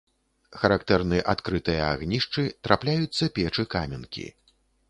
Характэрны адкрытыя агнішчы, трапляюцца печы-каменкі.